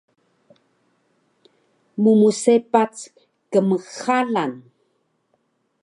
mmsepac kmxalan